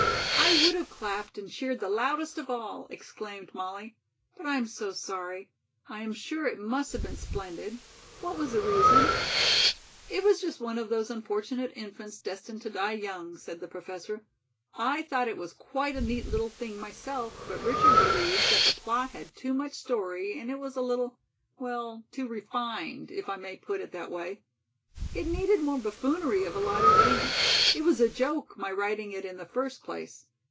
"I would have clapped and cheered the loudest of all," exclaimed Molly. "But I'm so sorry. I am sure it must have been splendid. What was the reason?" "It was just one of those unfortunate infants destined to die young," said the Professor. "I thought it was quite a neat little thing, myself, but Richard believes that the plot had too much story and it was a little well too refined, if I may put it that way. It needed more buffoonery of a lighter vein. It was a joke, my writing it in the first place.